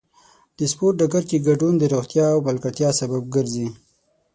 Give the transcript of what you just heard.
د سپورت ډګر کې ګډون د روغتیا او ملګرتیا سبب ګرځي.